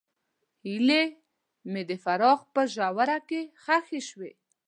هیلې مې د فراق په ژوره کې ښخې شوې.